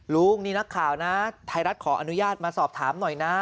ลุงนี่นักข่าวนะไทยรัฐขออนุญาตมาสอบถามหน่อยนะ